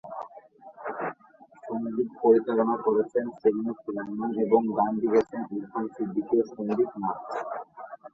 সঙ্গীত পরিচালনা করেছেন সেলিম-সুলায়মান এবং গান লিখেছেন ইরফান সিদ্দিকী ও সন্দীপ নাথ।